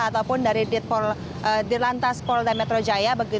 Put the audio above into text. ataupun dari di lantas pol dan metro jaya